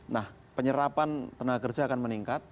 nah penyerapan tenaga kerja akan meningkat